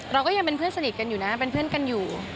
เราก็ยังเป็นเพื่อนสนิทกันอยู่นะเป็นเพื่อนกันอยู่